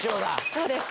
そうです。